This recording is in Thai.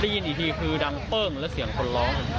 ได้ยินอีกทีคือดังเปิ้งแล้วเสียงคนร้อง